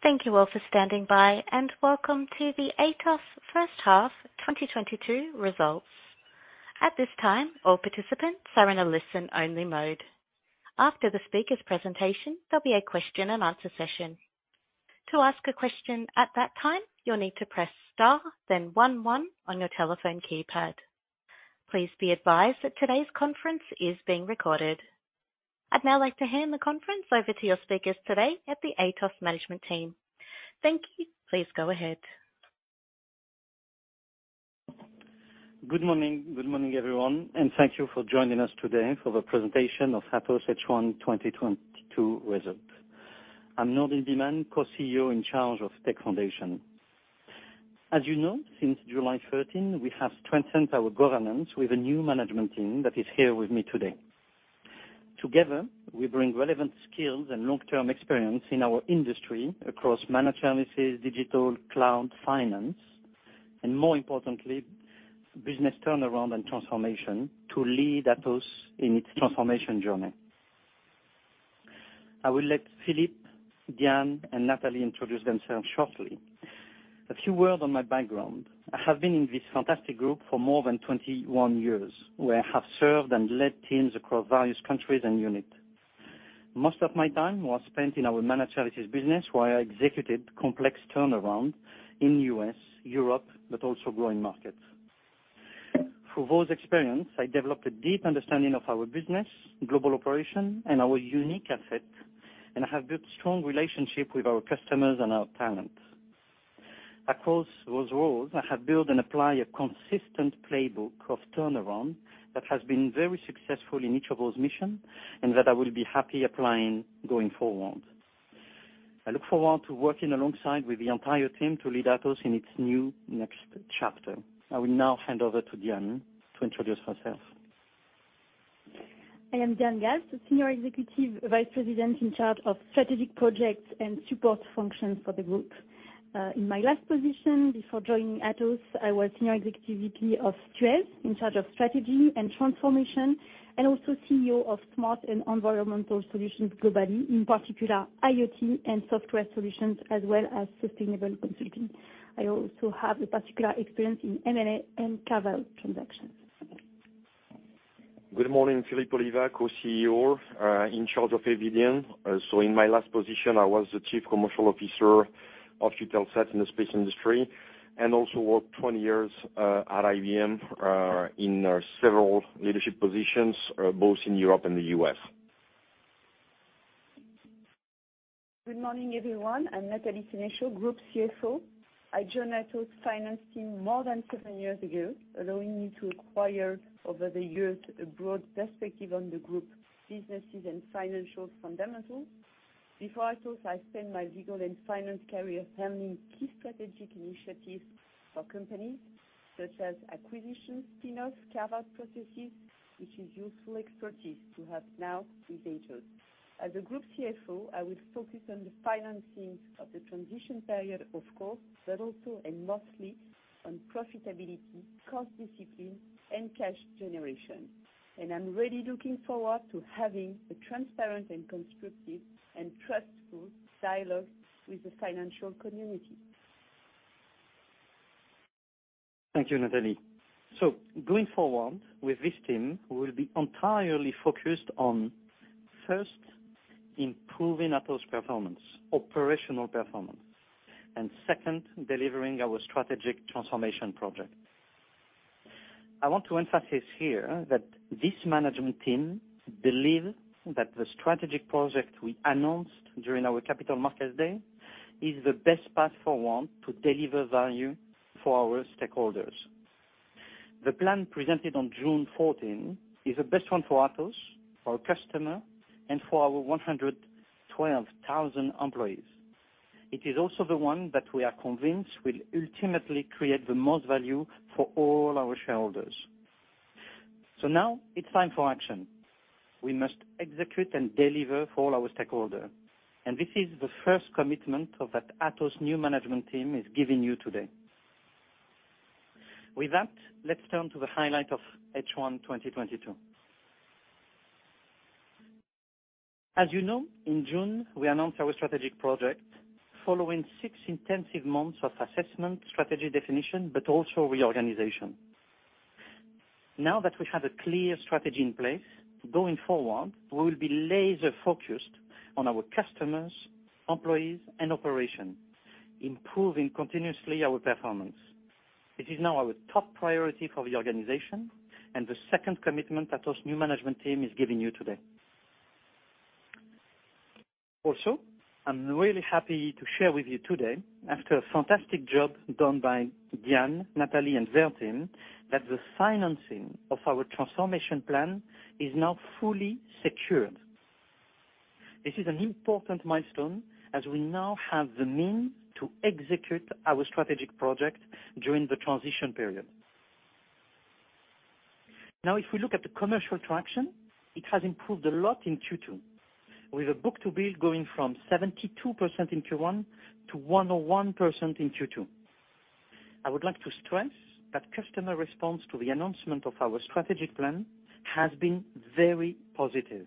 Thank you all for standing by, and welcome to the Atos first half 2022 results. At this time, all participants are in a listen-only mode. After the speakers' presentation, there'll be a question and answer session. To ask a question at that time, you'll need to press star then one on your telephone keypad. Please be advised that today's conference is being recorded. I'd now like to hand the conference over to your speakers today, the Atos management team. Thank you. Please go ahead. Good morning. Good morning, everyone, and thank you for joining us today for the presentation of Atos H1 2022 results. I'm Nourdine Bihmane, Co-CEO in charge of Tech Foundations. As you know, since July 13, we have strengthened our governance with a new management team that is here with me today. Together, we bring relevant skills and long-term experience in our industry across managed services, digital, cloud, finance, and more importantly, business turnaround and transformation to lead Atos in its transformation journey. I will let Philippe, Diane, and Nathalie introduce themselves shortly. A few words on my background. I have been in this fantastic group for more than 21 years, where I have served and led teams across various countries and units. Most of my time was spent in our Managed Services business, where I executed complex turnaround in U.S., Europe, but also growing markets. Through those experience, I developed a deep understanding of our business, global operation, and our unique asset, and I have built strong relationship with our customers and our talent. Across those roles, I have built and applied a consistent playbook of turnaround that has been very successful in each of those mission, and that I will be happy applying going forward. I look forward to working alongside with the entire team to lead Atos in its new next chapter. I will now hand over to Diane to introduce herself. I am Diane Galbe, Senior Executive Vice President in charge of strategic projects and support functions for the group. In my last position before joining Atos, I was Senior Executive VP of Thales in charge of strategy and transformation, and also CEO of smart and environmental solutions globally, in particular IoT and software solutions, as well as sustainable consulting. I also have a particular experience in M&A and carve-out transactions. Good morning, Philippe Oliva, Co-CEO in charge of Eviden. In my last position, I was the Chief Commercial Officer of Eutelsat in the space industry, and also worked 20 years at IBM in several leadership positions both in Europe and the U.S. Good morning, everyone. I'm Nathalie Sénéchault, Group CFO. I joined Atos finance team more than seven years ago, allowing me to acquire over the years a broad perspective on the group's businesses and financial fundamentals. Before Atos, I spent my legal and finance career handling key strategic initiatives for companies such as acquisitions, spin-offs, carve-out processes, which is useful expertise to have now with Atos. As the group CFO, I will focus on the financing of the transition period, of course, but also and mostly on profitability, cost discipline, and cash generation. I'm really looking forward to having a transparent and constructive and trustful dialogue with the financial community. Thank you, Nathalie. Going forward with this team, we'll be entirely focused on, first, improving Atos performance, operational performance, and second, delivering our strategic transformation project. I want to emphasize here that this management team believe that the strategic project we announced during our Capital Markets Day is the best path forward to deliver value for our stakeholders. The plan presented on June 14 is the best one for Atos, for our customer, and for our 112,000 employees. It is also the one that we are convinced will ultimately create the most value for all our shareholders. Now it's time for action. We must execute and deliver for all our stakeholder, and this is the first commitment of that Atos new management team is giving you today. With that, let's turn to the highlight of H1 2022. As you know, in June, we announced our strategic project following six intensive months of assessment, strategy definition, but also reorganization. Now that we have a clear strategy in place, going forward, we will be laser-focused on our customers, employees, and operation, improving continuously our performance. It is now our top priority for the organization and the second commitment Atos new management team is giving you today. Also, I'm really happy to share with you today, after a fantastic job done by Diane, Nathalie, and their team, that the financing of our transformation plan is now fully secured. This is an important milestone as we now have the means to execute our strategic project during the transition period. Now, if we look at the commercial traction, it has improved a lot in Q2, with a book-to-bill going from 72% in Q1 to 101% in Q2. I would like to stress that customer response to the announcement of our strategic plan has been very positive.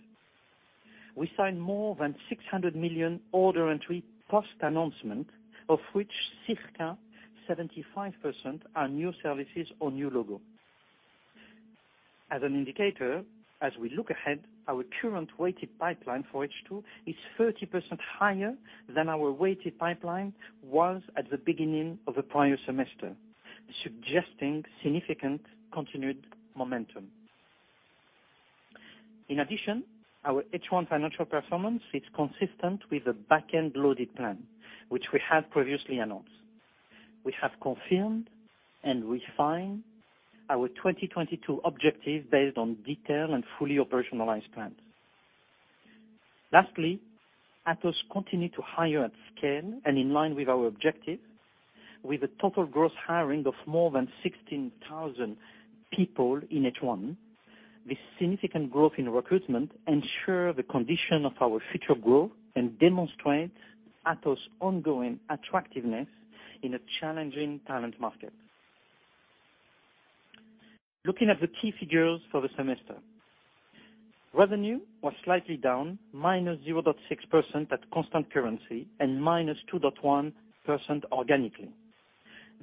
We signed more than 600 million order entry post-announcement, of which circa 75% are new services or new logo. As an indicator, as we look ahead, our current weighted pipeline for H2 is 30% higher than our weighted pipeline was at the beginning of the prior semester, suggesting significant continued momentum. In addition, our H1 financial performance is consistent with the back-end loaded plan, which we have previously announced. We have confirmed and refined our 2022 objective based on detail and fully operationalized plans. Lastly, Atos continue to hire at scale and in line with our objective, with a total gross hiring of more than 16,000 people in H1. This significant growth in recruitment ensure the condition of our future growth and demonstrate Atos' ongoing attractiveness in a challenging talent market. Looking at the key figures for the semester. Revenue was slightly down -0.6% at constant currency and -2.1% organically.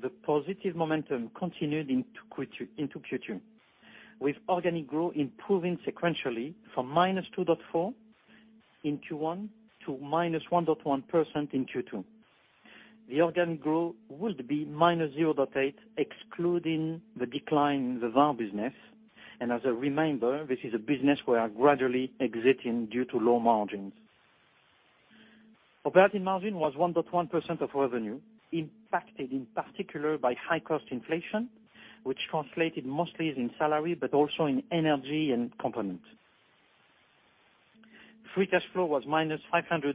The positive momentum continued into Q2, with organic growth improving sequentially from -2.4% in Q1 to -1.1% in Q2. The organic growth would be -0.8%, excluding the decline in the VAR business. As a reminder, this is a business we are gradually exiting due to low margins. Operating margin was 1.1% of revenue, impacted in particular by high cost inflation, which translated mostly as in salary but also in energy and components. Free cash flow was -555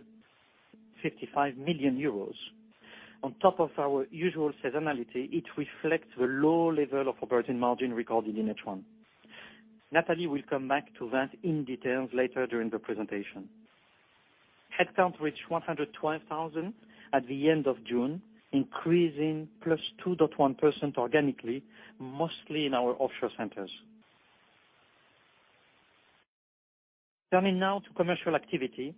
million euros. On top of our usual seasonality, it reflects the low level of operating margin recorded in H1. Nathalie will come back to that in details later during the presentation. Headcount reached 112,000 at the end of June, increasing +2.1% organically, mostly in our offshore centers. Turning now to commercial activity,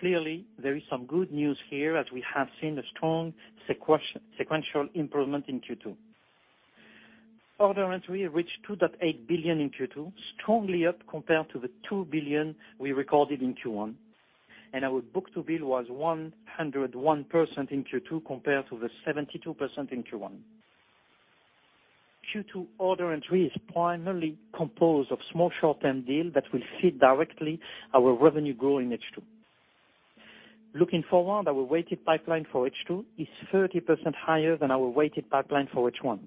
clearly there is some good news here as we have seen a strong sequential improvement in Q2. Order entry reached 2.8 billion in Q2, strongly up compared to the 2 billion we recorded in Q1. Our book-to-bill was 101% in Q2 compared to the 72% in Q1. Q2 order entry is primarily composed of small short-term deal that will feed directly our revenue growth in H2. Looking forward, our weighted pipeline for H2 is 30% higher than our weighted pipeline for H1,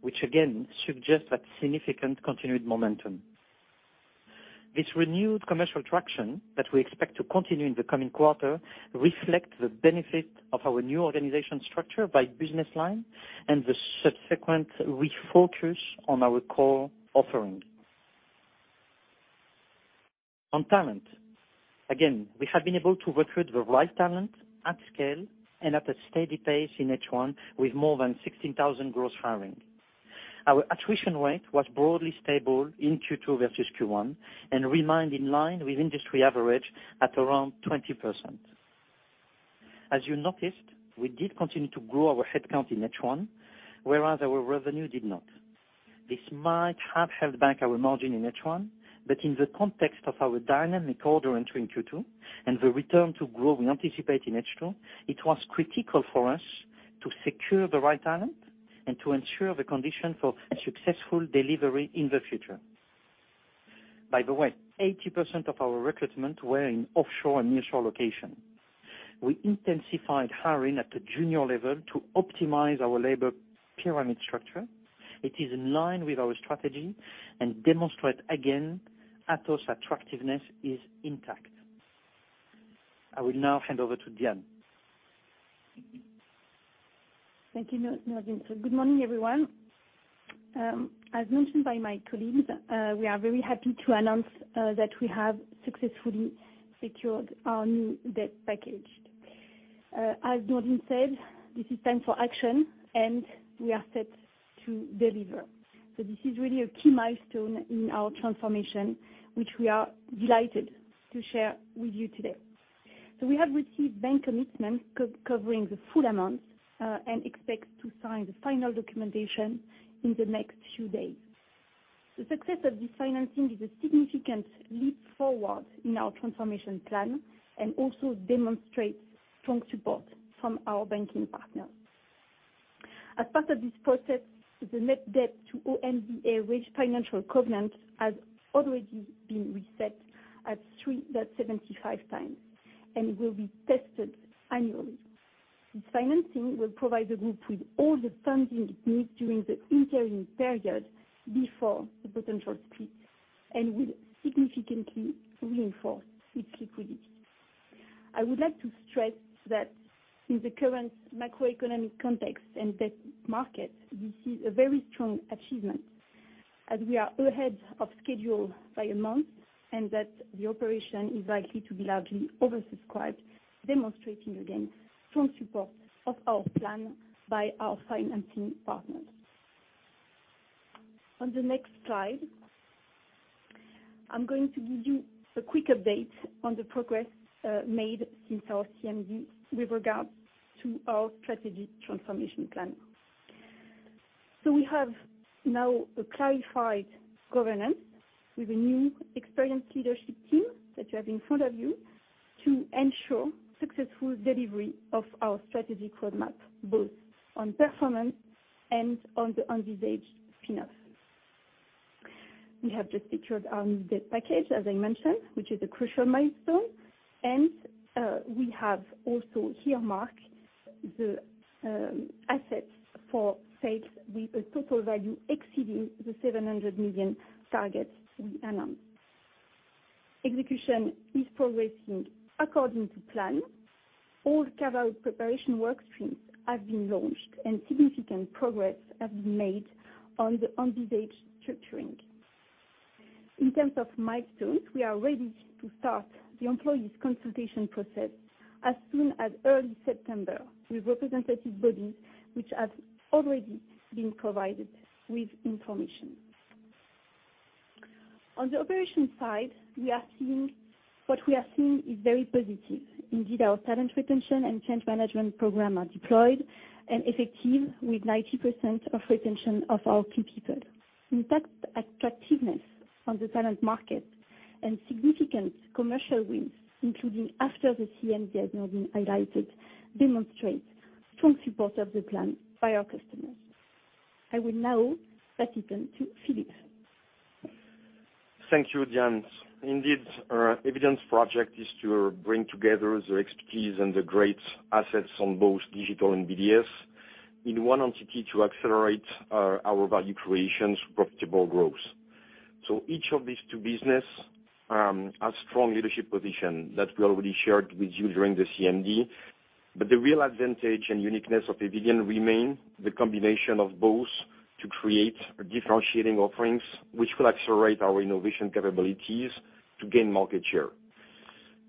which again suggests that significant continued momentum. This renewed commercial traction that we expect to continue in the coming quarter reflect the benefit of our new organization structure by business line and the subsequent refocus on our core offering. On talent, again, we have been able to recruit the right talent at scale and at a steady pace in H1 with more than 16,000 gross hiring. Our attrition rate was broadly stable in Q2 versus Q1 and remained in line with industry average at around 20%. As you noticed, we did continue to grow our headcount in H1, whereas our revenue did not. This might have held back our margin in H1, but in the context of our dynamic order entry in Q2 and the return to growth we anticipate in H2, it was critical for us to secure the right talent and to ensure the condition for a successful delivery in the future. By the way, 80% of our recruitment were in offshore and nearshore location. We intensified hiring at the junior level to optimize our labor pyramid structure. It is in line with our strategy and demonstrate again Atos' attractiveness is intact. I will now hand over to Diane. Thank you, Nourdine. Good morning, everyone. As mentioned by my colleagues, we are very happy to announce that we have successfully secured our new debt package. As Nourdine said, this is time for action, and we are set to deliver. This is really a key milestone in our transformation, which we are delighted to share with you today. We have received bank commitment covering the full amount and expect to sign the final documentation in the next few days. The success of this financing is a significant leap forward in our transformation plan and also demonstrates strong support from our banking partners. As part of this process, the net debt to OMDA ratio financial covenant has already been reset at 3.75x and will be tested annually. This financing will provide the group with all the funding it needs during the interim period before the potential split, and will significantly reinforce its liquidity. I would like to stress that in the current macroeconomic context and debt market, this is a very strong achievement. As we are ahead of schedule by a month, and that the operation is likely to be largely oversubscribed, demonstrating again strong support of our plan by our financing partners. On the next slide, I'm going to give you a quick update on the progress made since our CMD with regards to our strategic transformation plan. We have now a clarified governance with a new experienced leadership team that you have in front of you to ensure successful delivery of our strategic roadmap, both on performance and on the envisaged spinoff. We have just secured our new debt package, as I mentioned, which is a crucial milestone, and we have also earmarked the assets for sale with a total value exceeding the 700 million targets we announced. Execution is progressing according to plan. All carve-out preparation work streams have been launched, and significant progress has been made on the envisaged structuring. In terms of milestones, we are ready to start the employee consultation process as early as September with representative bodies which have already been provided with information. On the operations side, what we are seeing is very positive. Indeed, our talent retention and change management program are deployed and effective with 90% retention of our key people. In fact, attractiveness on the talent market and significant commercial wins, including after the CMD has now been highlighted, demonstrate strong support of the plan by our customers. I will now pass it on to Philippe. Thank you, Diane. Indeed, our Eviden project is to bring together the expertise and the great assets on both digital and BDS in one entity to accelerate our value creation's profitable growth. Each of these two business have strong leadership position that we already shared with you during the CMD. The real advantage and uniqueness of Eviden remain the combination of both to create differentiating offerings which will accelerate our innovation capabilities to gain market share.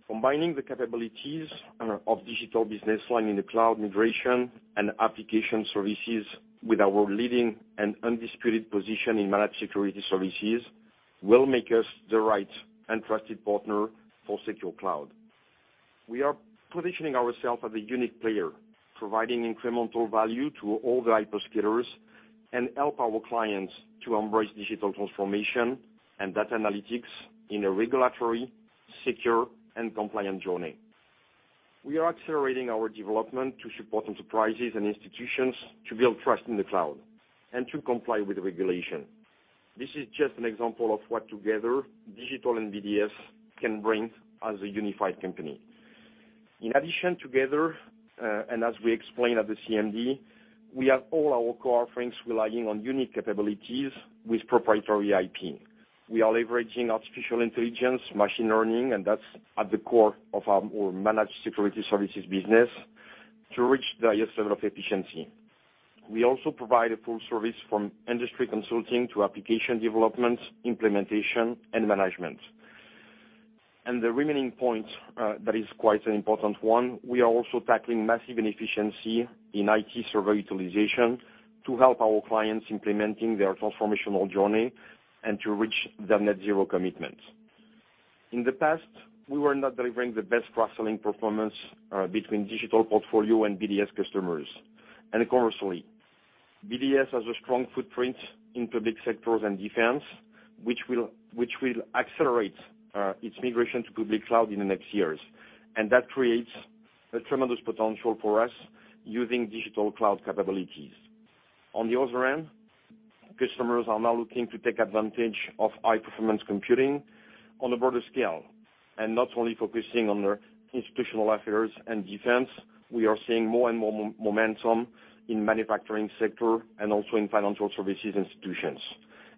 Combining the capabilities of digital business line in the cloud migration and application services with our leading and undisputed position in managed security services will make us the right and trusted partner for secure cloud. We are positioning ourselves as a unique player, providing incremental value to all the hyperscalers and help our clients to embrace digital transformation and data analytics in a regulatory, secure, and compliant journey. We are accelerating our development to support enterprises and institutions to build trust in the cloud and to comply with regulation. This is just an example of what together Digital and BDS can bring as a unified company. In addition, together, and as we explained at the CMD, we have all our core offerings relying on unique capabilities with proprietary IP. We are leveraging artificial intelligence, machine learning, and that's at the core of our more managed security services business to reach the highest level of efficiency. We also provide a full service from industry consulting to application development, implementation, and management. The remaining point, that is quite an important one, we are also tackling massive inefficiency in IT server utilization to help our clients implementing their transformational journey and to reach their net zero commitment. In the past, we were not delivering the best cross-selling performance between digital portfolio and BDS customers. Conversely, BDS has a strong footprint in public sectors and defense, which will accelerate its migration to public cloud in the next years. That creates a tremendous potential for us using digital cloud capabilities. On the other end, customers are now looking to take advantage of high-performance computing on a broader scale. Not only focusing on the institutional affairs and defense, we are seeing more and more momentum in manufacturing sector and also in financial services institutions.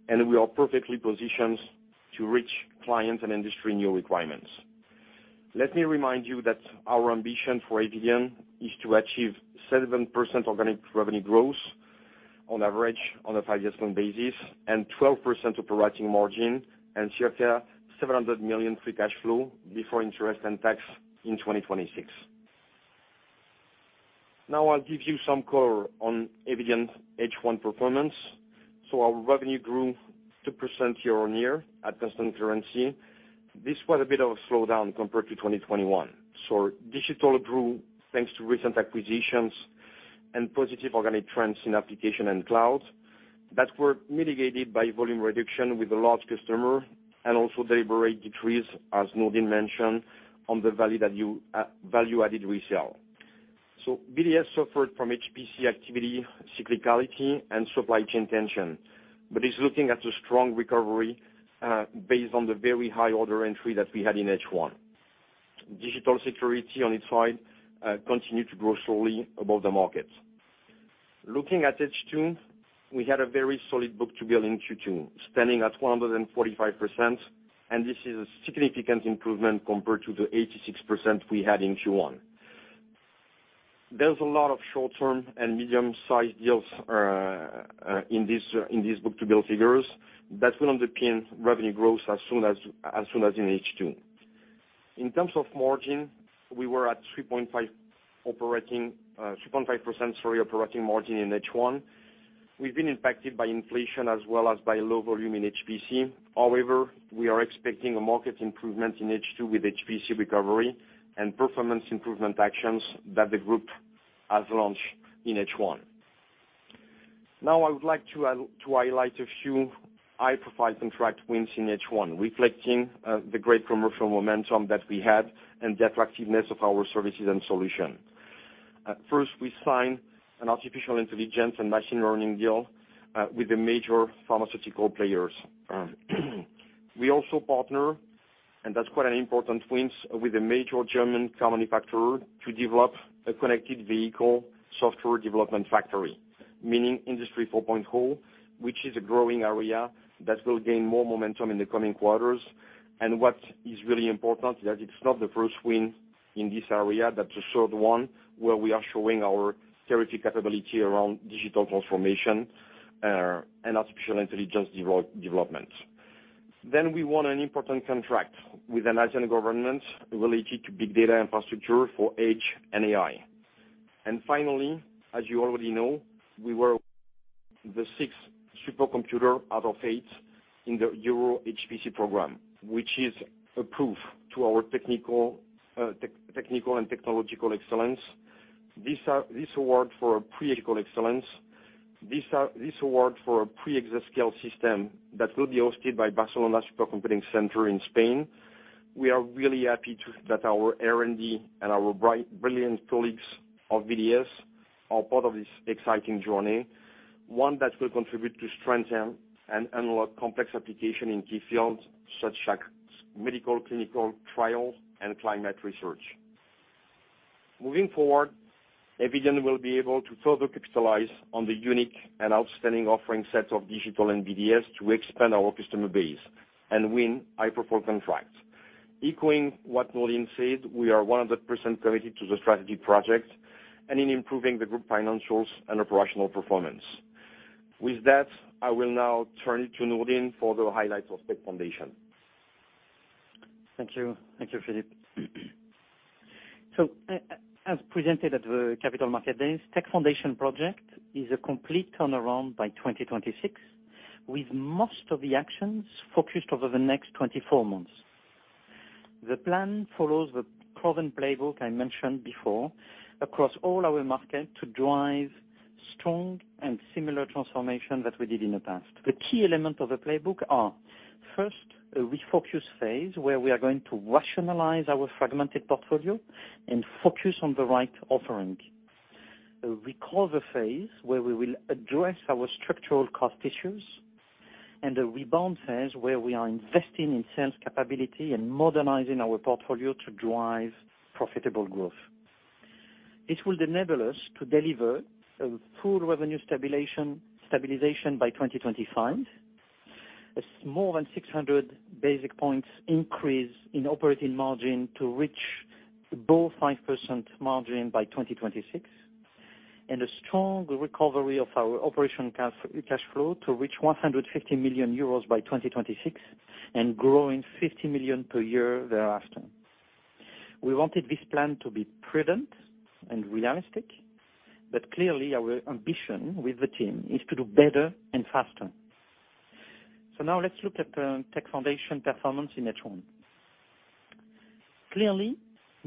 We are perfectly positioned to reach clients and industry new requirements. Let me remind you that our ambition for Eviden is to achieve 7% organic revenue growth on average on a five-year basis and 12% operating margin and circa 700 million free cash flow before interest and tax in 2026. Now I'll give you some color on Eviden's H1 performance. Our revenue grew 2% year-on-year at constant currency. This was a bit of a slowdown compared to 2021. Digital grew thanks to recent acquisitions and positive organic trends in application and cloud that were mitigated by volume reduction with a large customer and also deliberate decrease, as Nourdine mentioned, on value-added resell. BDS suffered from HPC activity cyclicality and supply chain tension, but is looking at a strong recovery based on the very high order entry that we had in H1. Digital security on its side continued to grow slowly above the market. Looking at H2, we had a very solid book-to-bill in Q2, standing at 145%, and this is a significant improvement compared to the 86% we had in Q1. There's a lot of short-term and medium-sized deals in these book-to-bill figures that will underpin revenue growth as soon as in H2. In terms of margin, we were at 3.5%, sorry, operating margin in H1. We've been impacted by inflation as well as by low volume in HPC. However, we are expecting a market improvement in H2 with HPC recovery and performance improvement actions that the group has launched in H1. Now I would like to highlight a few high-profile contract wins in H1, reflecting the great commercial momentum that we had and the attractiveness of our services and solution. First, we signed an artificial intelligence and machine learning deal with the major pharmaceutical players. We also partner, and that's quite an important wins, with a major German car manufacturer to develop a connected vehicle software development factory, meaning Industry 4.0, which is a growing area that will gain more momentum in the coming quarters. What is really important that it's not the first win in this area. That's the third one where we are showing our [therapy] capability around digital transformation and artificial intelligence development. We won an important contract with the Nigerian government related to big data infrastructure for edge and AI. Finally, as you already know, we were the sixth supercomputer out of eight in the EuroHPC program, which is a proof to our technical and technological excellence. This award for pre-exascale excellence. This award for a pre-exascale system that will be hosted by Barcelona Supercomputing Center in Spain. We are really happy that our R&D and our brilliant colleagues of BDS are part of this exciting journey, one that will contribute to strengthen and unlock complex application in key fields such as medical clinical trials and climate research. Moving forward, Eviden will be able to further capitalize on the unique and outstanding offerings of digital and BDS to expand our customer base and win high-profile contracts. Echoing what Nourdine said, we are 100% committed to the strategy project and in improving the group financials and operational performance. With that, I will now turn it to Nourdine for the highlights of Tech Foundations. Thank you. Thank you, Philippe. As presented at the Capital Markets Day, Tech Foundations project is a complete turnaround by 2026, with most of the actions focused over the next 24 months. The plan follows the proven playbook I mentioned before across all our markets to drive strong and similar transformation that we did in the past. The key element of the playbook are first, a refocus phase where we are going to rationalize our fragmented portfolio and focus on the right offering. A recover phase where we will address our structural cost issues. A rebound phase where we are investing in sales capability and modernizing our portfolio to drive profitable growth. It will enable us to deliver a full revenue stabilization by 2025. A more than 600 basis points increase in operating margin to reach above 5% margin by 2026, and a strong recovery of our operating cash flow to reach 150 million euros by 2026 and growing 50 million per year thereafter. We wanted this plan to be prudent and realistic, but clearly our ambition with the team is to do better and faster. Now let's look at Tech Foundations performance in H1. Clearly,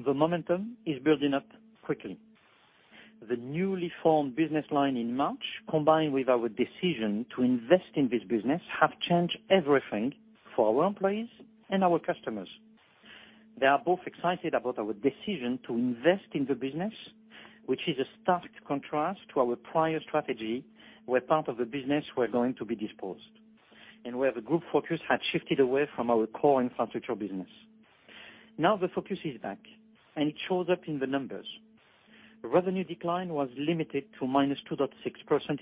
the momentum is building up quickly. The newly formed business line in March, combined with our decision to invest in this business, have changed everything for our employees and our customers. They are both excited about our decision to invest in the business, which is a stark contrast to our prior strategy, where part of the business were going to be disposed, and where the group focus had shifted away from our core infrastructure business. Now the focus is back, and it shows up in the numbers. Revenue decline was limited to -2.6%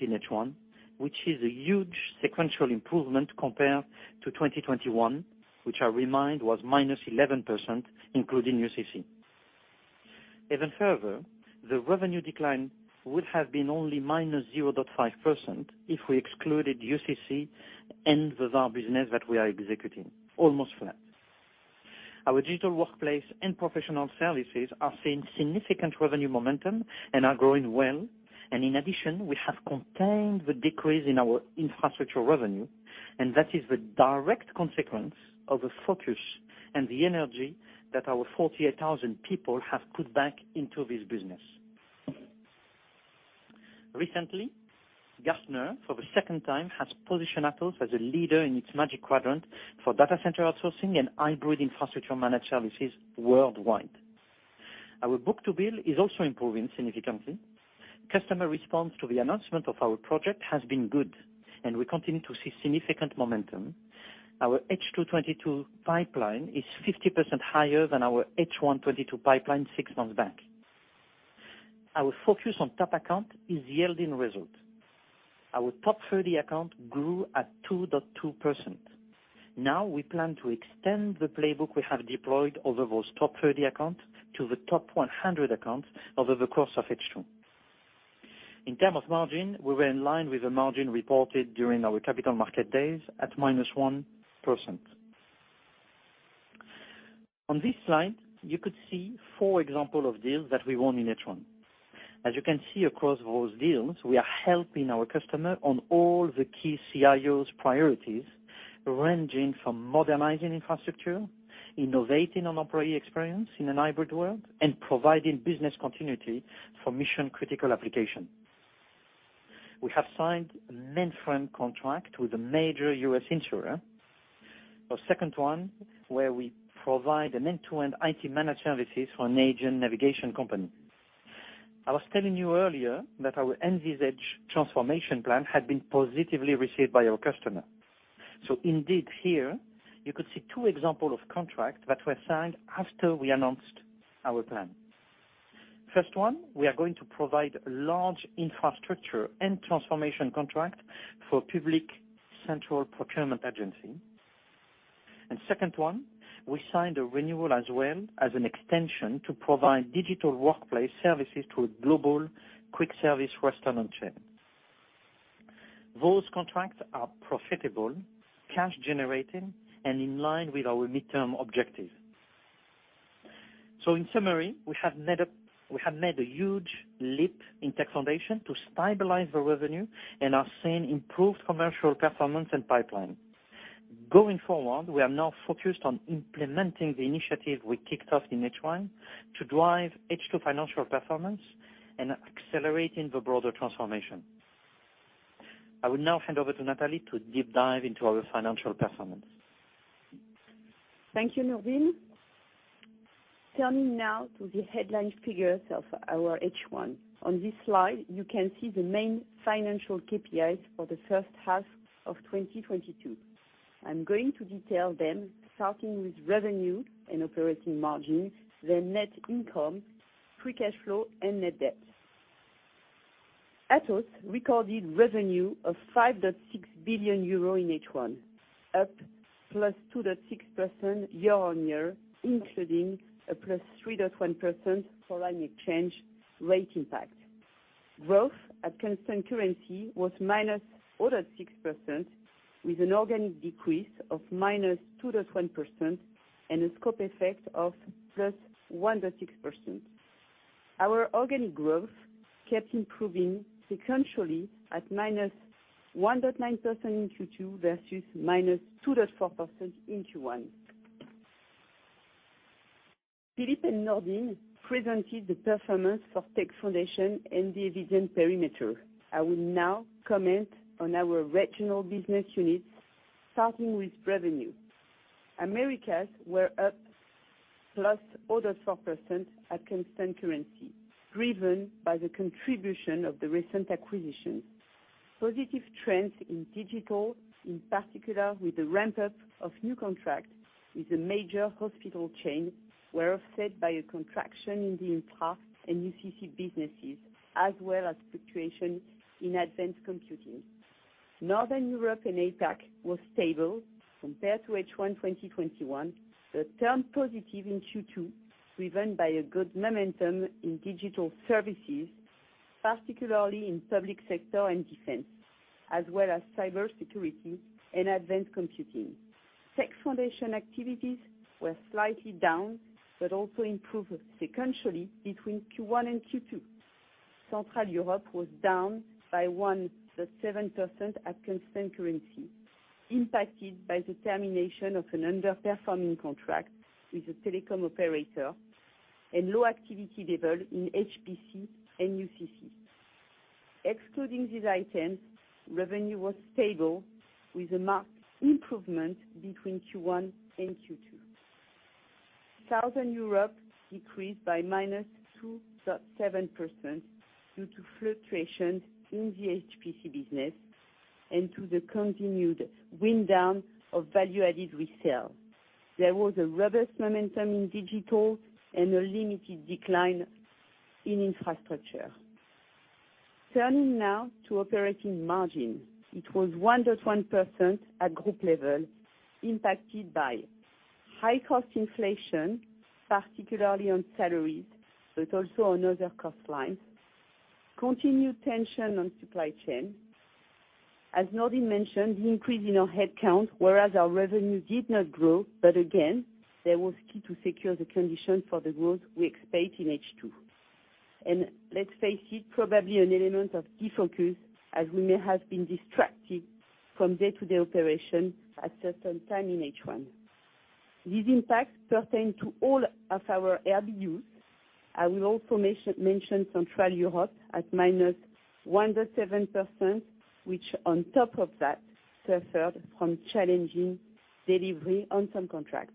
in H1, which is a huge sequential improvement compared to 2021, which I remind was -11%, including UCC. Even further, the revenue decline would have been only -0.5% if we excluded UCC and the other business that we are executing, almost flat. Our digital workplace and professional services are seeing significant revenue momentum and are growing well. In addition, we have contained the decrease in our infrastructure revenue, and that is the direct consequence of the focus and the energy that our 48,000 people have put back into this business. Recently, Gartner, for the second time, has positioned Atos as a leader in its Magic Quadrant for data center outsourcing and hybrid infrastructure managed services worldwide. Our book-to-bill is also improving significantly. Customer response to the announcement of our project has been good, and we continue to see significant momentum. Our H2 2022 pipeline is 50% higher than our H1 2022 pipeline six months back. Our focus on top accounts is yielding results. Our top 30 accounts grew at 2.2%. Now we plan to extend the playbook we have deployed over those top 30 accounts to the top 100 accounts over the course of H2. In terms of margin, we were in line with the margin reported during our Capital Markets Day at -1%. On this slide, you could see four examples of deals that we won in H1. As you can see across those deals, we are helping our customers on all the key CIO priorities, ranging from modernizing infrastructure, innovating on employee experience in a hybrid world, and providing business continuity for mission-critical applications. We have signed a mainframe contract with a major U.S. insurer. A second one where we provide an end-to-end IT managed services for an Asian navigation company. I was telling you earlier that our Envisage transformation plan had been positively received by our customers. Indeed here you could see two examples of contracts that were signed after we announced our plan. First one, we are going to provide a large infrastructure and transformation contract for public central procurement agency. Second one, we signed a renewal as well as an extension to provide digital workplace services to a global quick service restaurant chain. Those contracts are profitable, cash generating and in line with our midterm objective. In summary, we have made a huge leap in Tech Foundations to stabilize the revenue and are seeing improved commercial performance and pipeline. Going forward, we are now focused on implementing the initiative we kicked off in H1 to drive H2 financial performance and accelerating the broader transformation. I will now hand over to Nathalie to deep dive into our financial performance. Thank you, Nourdine. Turning now to the headline figures of our H1. On this slide, you can see the main financial KPIs for the first half of 2022. I'm going to detail them starting with revenue and operating margins, then net income, free cash flow and net debt. Atos recorded revenue of 5.6 billion euro in H1, up +2.6% year-on-year, including a +3.1% foreign exchange rate impact. Growth at constant currency was -4.6% with an organic decrease of -2.1% and a scope effect of +1.6%. Our organic growth kept improving sequentially at -1.9% in Q2 versus -2.4% in Q1. Philippe and Nourdine presented the performance of Tech Foundations and the division perimeter. I will now comment on our regional business units starting with revenue. Americas were up +0.4% at constant currency, driven by the contribution of the recent acquisition. Positive trends in digital, in particular with the ramp-up of new contract with a major hospital chain, were offset by a contraction in the impact in UCC businesses, as well as fluctuation in advanced computing. Northern Europe and APAC was stable compared to H1 2021, but turned positive in Q2, driven by a good momentum in digital services, particularly in public sector and defense, as well as cybersecurity and advanced computing. Tech Foundations activities were slightly down, but also improved sequentially between Q1 and Q2. Central Europe was down by 1.7% at constant currency, impacted by the termination of an underperforming contract with a telecom operator and low activity level in HPC and UCC. Excluding these items, revenue was stable with a marked improvement between Q1 and Q2. Southern Europe decreased by -2.7% due to fluctuations in the HPC business and to the continued wind down of value-added resale. There was a robust momentum in digital and a limited decline in infrastructure. Turning now to operating margin. It was 1.1% at group level, impacted by high cost inflation, particularly on salaries, but also on other cost lines. Continued tension on supply chain. As Nourdine mentioned, the increase in our headcount, whereas our revenue did not grow, but again, that was key to secure the condition for the growth we expect in H2. Let's face it, probably an element of defocus as we may have been distracted from day-to-day operation at certain time in H1. These impacts pertain to all of our ABUs. I will also mention Central Europe at -1.7%, which on top of that suffered from challenging delivery on some contracts.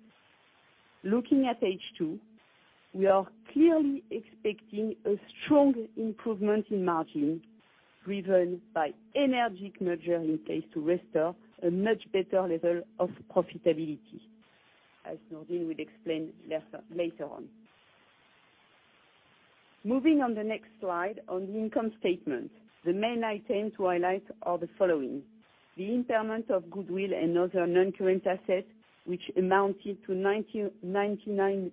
Looking at H2, we are clearly expecting a strong improvement in margin driven by energetic measures in place to restore a much better level of profitability, as Nourdine will explain later on. Moving on the next slide on the income statement, the main items to highlight are the following. The impairment of goodwill and other non-current assets, which amounted to 91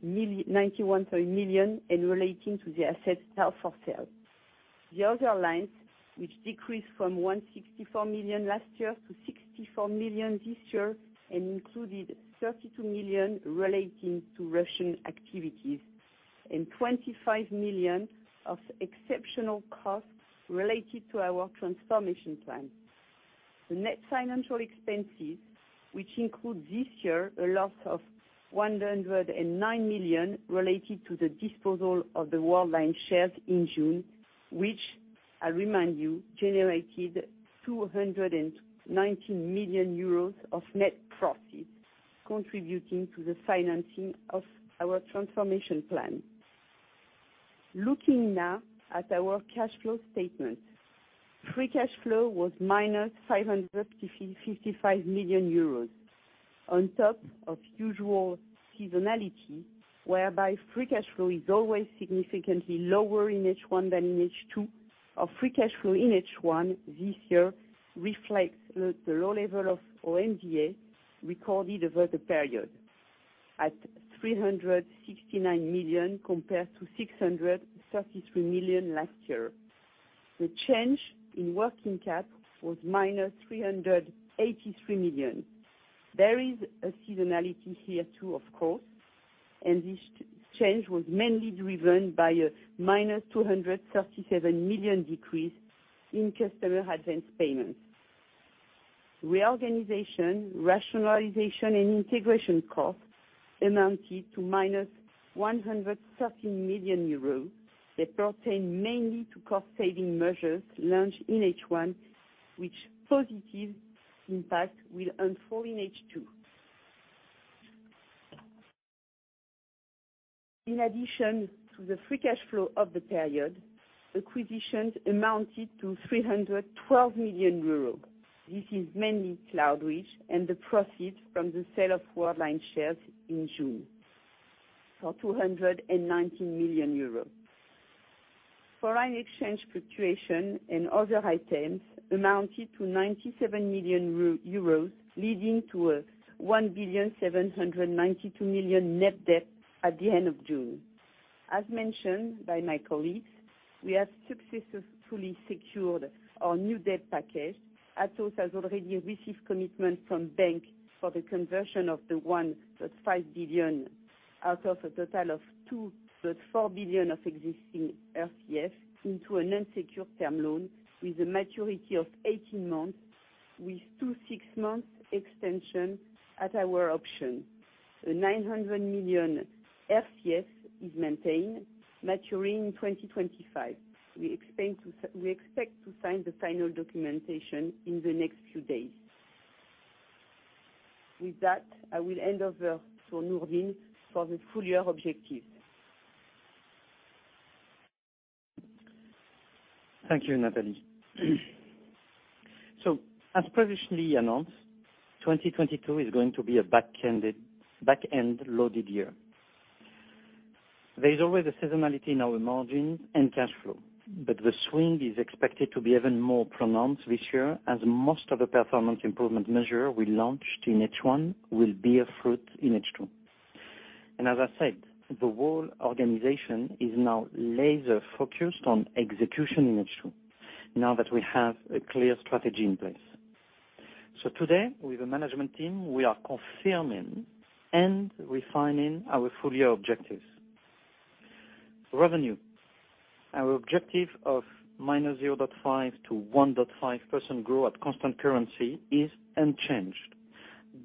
million and relating to the assets held for sale. The other lines which decreased from 164 million last year to 64 million this year and included 32 million relating to Russian activities and 25 million of exceptional costs related to our transformation plan. The net financial expenses, which include this year a loss of 109 million related to the disposal of the Worldline shares in June, which I remind you generated 219 million euros of net profit, contributing to the financing of our transformation plan. Looking now at our cash flow statement, free cash flow was -555 million euros on top of usual seasonality, whereby free cash flow is always significantly lower in H1 than in H2. Our free cash flow in H1 this year reflects the low level of OMDA recorded over the period at 369 million compared to 633 million last year. The change in working capital was -383 million. There is a seasonality here too, of course, and this change was mainly driven by a -237 million decrease in customer advance payments. Reorganization, rationalization and integration costs amounted to -130 million euros. They pertain mainly to cost saving measures launched in H1, which positive impact will unfold in H2. In addition to the free cash flow of the period, acquisitions amounted to 312 million euros. This is mainly Cloudreach and the profit from the sale of Worldline shares in June for 219 million euros. Foreign exchange fluctuation and other items amounted to 97 million euros, leading to a 1,792 million net debt at the end of June. As mentioned by my colleagues, we have successfully secured our new debt package. Atos has already received commitment from bank for the conversion of the 1.5 billion out of a total of 2.4 billion of existing RCF into an unsecured term loan with a maturity of 18 months with two six-month extension at our option. The 900 million RCF is maintained, maturing in 2025. We expect to sign the final documentation in the next few days. With that, I will hand over to Nourdine for the full year objective. Thank you, Nathalie. As previously announced, 2022 is going to be a back-end loaded year. There is always a seasonality in our margins and cash flow, but the swing is expected to be even more pronounced this year, as most of the performance improvement measure we launched in H1 will bear fruit in H2. As I said, the whole organization is now laser focused on execution in H2 now that we have a clear strategy in place. Today, with the management team, we are confirming and refining our full year objectives. Revenue. Our objective of -0.5% to 1.5% growth at constant currency is unchanged.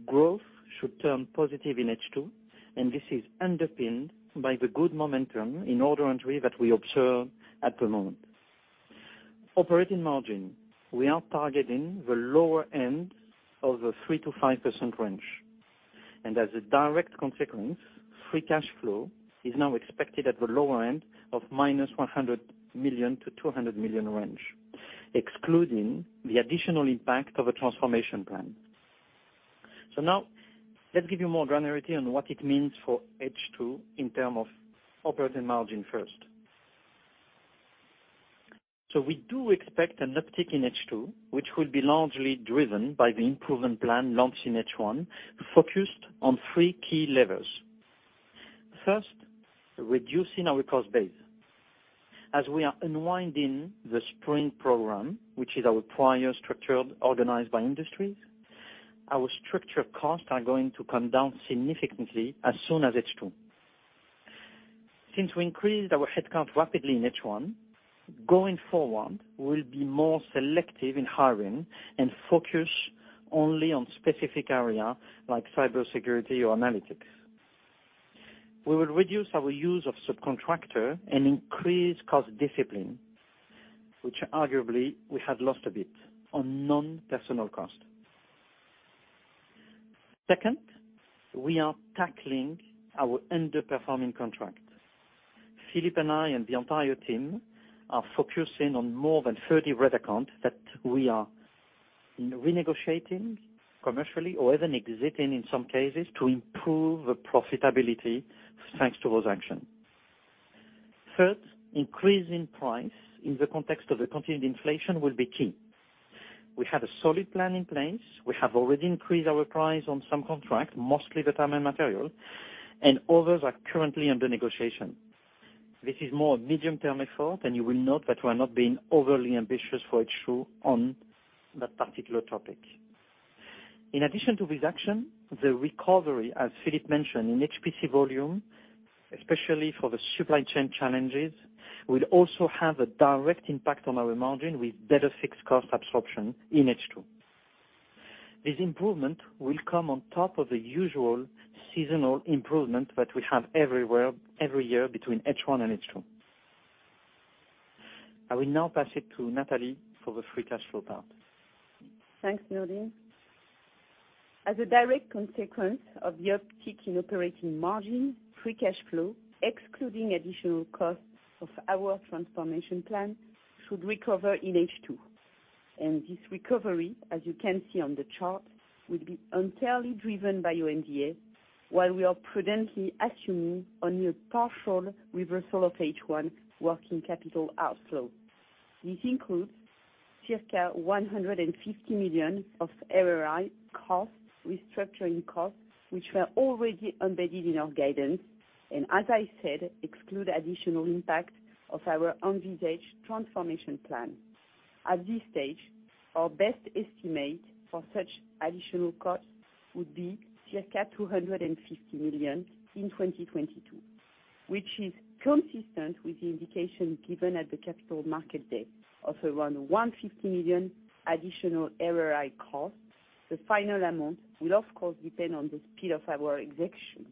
Growth should turn positive in H2, and this is underpinned by the good momentum in order entry that we observe at the moment. Operating margin. We are targeting the lower end of the 3%-5% range. As a direct consequence, free cash flow is now expected at the lower end of -100 million-200 million range, excluding the additional impact of a transformation plan. Now let's give you more granularity on what it means for H2 in terms of operating margin first. We do expect an uptick in H2, which will be largely driven by the improvement plan launched in H1, focused on three key levers. First, reducing our cost base. As we are unwinding the Sprint program, which is our prior structure organized by industries, our structural costs are going to come down significantly as soon as H2. Since we increased our headcount rapidly in H1, going forward, we'll be more selective in hiring and focus only on specific area like cybersecurity or analytics. We will reduce our use of subcontractors and increase cost discipline, which arguably we have lost a bit on non-personnel costs. Second, we are tackling our underperforming contracts. Philippe and I and the entire team are focusing on more than 30 red accounts that we are in renegotiating commercially or even exiting in some cases to improve the profitability, thanks to those actions. Third, increases in price in the context of the continued inflation will be key. We have a solid plan in place. We have already increased our prices on some contracts, mostly the time and material, and others are currently under negotiation. This is more a medium-term effort, and you will note that we are not being overly ambitious for H2 on that particular topic. In addition to this action, the recovery, as Philippe mentioned, in HPC volume, especially for the supply chain challenges, will also have a direct impact on our margin with better fixed cost absorption in H2. This improvement will come on top of the usual seasonal improvement that we have everywhere, every year between H1 and H2. I will now pass it to Nathalie for the free cash flow part. Thanks, Nourdine. As a direct consequence of the uptick in operating margin, free cash flow, excluding additional costs of our transformation plan, should recover in H2. This recovery, as you can see on the chart, will be entirely driven by OMDA, while we are prudently assuming only a partial reversal of H1 working capital outflow. This includes circa 150 million of ARI costs, restructuring costs, which were already embedded in our guidance, and as I said, exclude additional impact of our envisaged transformation plan. At this stage, our best estimate for such additional costs would be circa 250 million in 2022, which is consistent with the indication given at the Capital Markets Day of around 150 million additional ARI costs. The final amount will of course depend on the speed of our execution.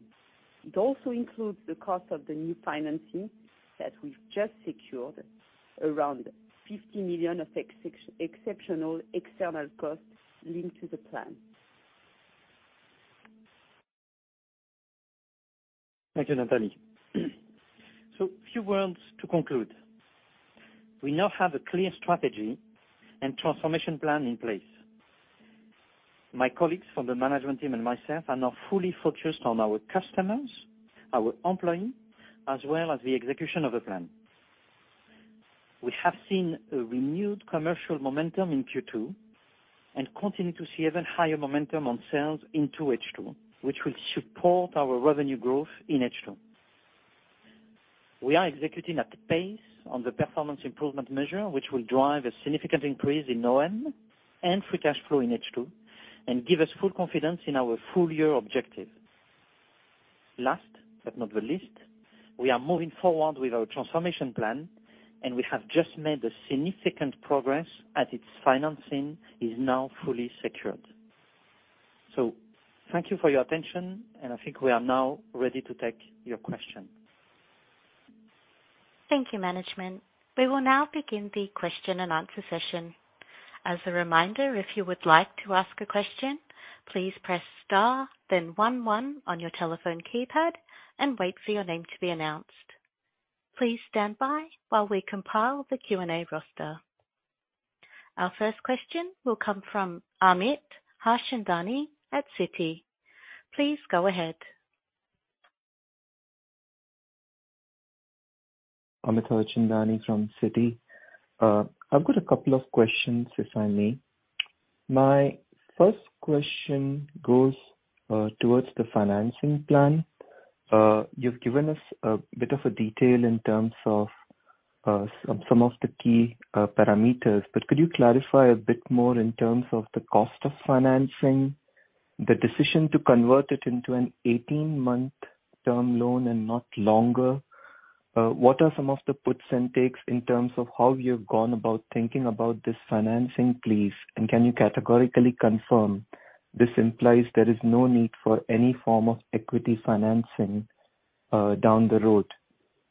It also includes the cost of the new financing that we've just secured, around 50 million of exceptional external costs linked to the plan. Thank you, Nathalie. Few words to conclude. We now have a clear strategy and transformation plan in place. My colleagues from the management team and myself are now fully focused on our customers, our employees, as well as the execution of the plan. We have seen a renewed commercial momentum in Q2 and continue to see even higher momentum on sales into H2, which will support our revenue growth in H2. We are executing at pace on the performance improvement measure, which will drive a significant increase in OM and free cash flow in H2, and give us full confidence in our full-year objective. Last but not least, we are moving forward with our transformation plan, and we have just made a significant progress as its financing is now fully secured. Thank you for your attention, and I think we are now ready to take your question. Thank you, management. We will now begin the question-and-answer session. As a reminder, if you would like to ask a question, please press star then one one on your telephone keypad and wait for your name to be announced. Please stand by while we compile the Q&A roster. Our first question will come from Amit Harchandani at Citi. Please go ahead. Amit Harchandani from Citi. I've got a couple of questions, if I may. My first question goes towards the financing plan. You've given us a bit of a detail in terms of some of the key parameters, but could you clarify a bit more in terms of the cost of financing, the decision to convert it into an 18-month term loan and not longer? What are some of the puts and takes in terms of how you've gone about thinking about this financing, please? Can you categorically confirm this implies there is no need for any form of equity financing down the road?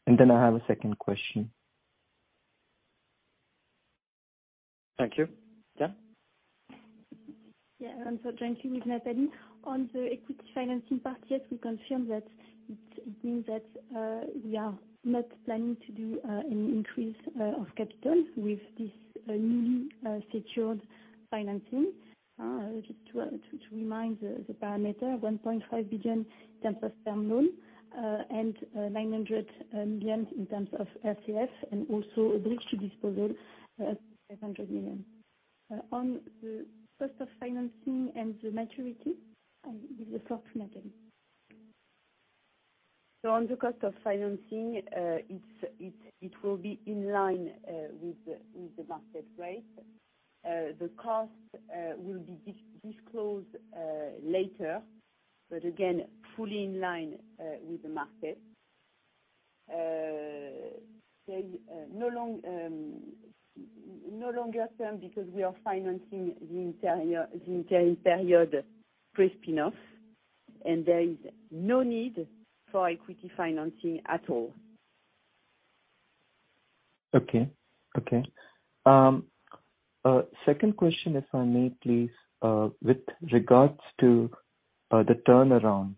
I have a second question. Thank you. Yeah. Yeah. Jointly with Nathalie. On the equity financing part, yes, we confirm that it means that we are not planning to do any increase of capital with this newly secured financing. Just to remind the parameter, 1.5 billion in terms of term loan, and 900 million in terms of FCF, and also a bridge to disposal of 500 million. On the cost of financing and the maturity, I will give the floor to Nathalie. On the cost of financing, it will be in line with the market rate. The cost will be disclosed later, but again, fully in line with the market. There's no longer term because we are financing the entire year, the entire period pre enough, and there is no need for equity financing at all. Second question if I may please, with regards to the turnaround